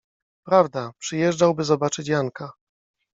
Prawda, przyjeżdżał, by zobaczyć Janka…